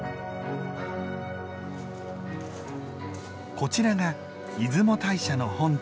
こちらが出雲大社の本殿。